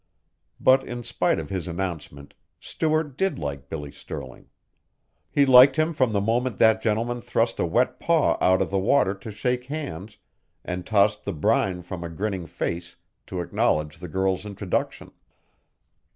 But in spite of his announcement, Stuart did like Billy Stirling. He liked him from the moment that gentleman thrust a wet paw out of the water to shake hands and tossed the brine from a grinning face to acknowledge the girl's introduction.